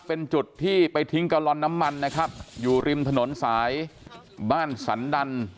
เป็นจุดที่ไปทิ้งกะลอนน้ำมันนะครับอยู่ริมถนนสายบ้านสันดัน